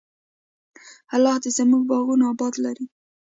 الله دې زموږ باغونه اباد لري.